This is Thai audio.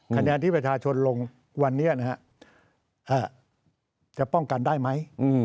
คะแนนที่ประชาชนลงวันนี้จะป้องกันได้ไหม